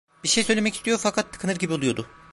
Bir şey söylemek istiyor, fakat tıkanır gibi oluyordu.